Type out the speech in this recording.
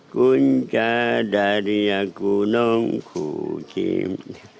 kunca dari aku nongkukim